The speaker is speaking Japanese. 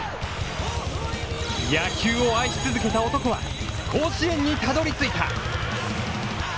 野球を愛し続けた男は甲子園にたどり着いた。